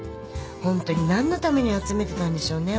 ホントに何のために集めてたんでしょうね？